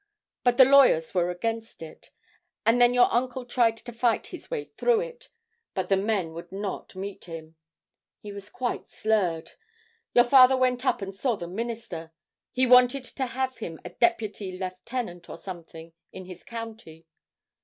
But the lawyers were against it, and then your uncle tried to fight his way through it, but the men would not meet him. He was quite slurred. Your father went up and saw the Minister. He wanted to have him a Deputy Lieutenant, or something, in his county.